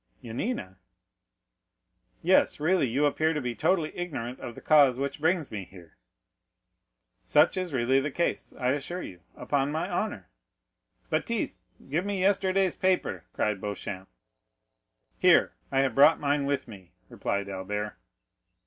"Yanina?" "Yes; really you appear to be totally ignorant of the cause which brings me here." "Such is really the case, I assure you, upon my honor! Baptiste, give me yesterday's paper," cried Beauchamp. "Here, I have brought mine with me," replied Albert.